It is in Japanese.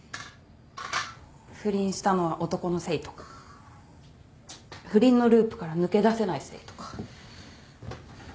不倫したのは男のせいとか不倫のループから抜け出せないせいとか。